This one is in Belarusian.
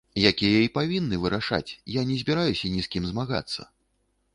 Якія і павінны вырашаць, я не збіраюся ні з кім змагацца.